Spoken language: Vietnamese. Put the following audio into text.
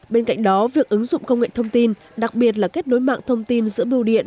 bên cạnh đó việc ứng dụng công nghệ thông tin đặc biệt là kết nối mạng thông tin giữa bưu điện